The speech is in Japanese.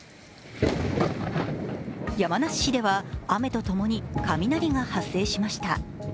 山梨市では雨とともに雷が発生しました。